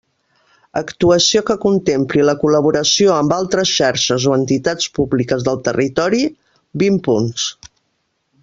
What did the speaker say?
Actuació que contempli la col·laboració amb altres xarxes o entitats públiques del territori, vint punts.